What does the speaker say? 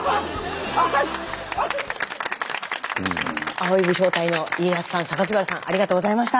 「葵」武将隊の家康さん原さんありがとうございました。